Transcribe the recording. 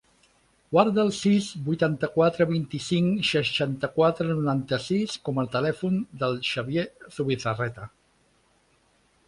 Guarda el sis, vuitanta-quatre, vint-i-cinc, seixanta-quatre, noranta-sis com a telèfon del Xavier Zubizarreta.